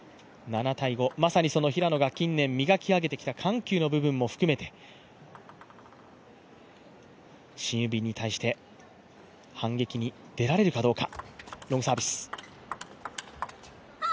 まさに平野が近年磨き上げてきた緩急の部分も含めてシン・ユビンに対して反撃に出られるかどうか。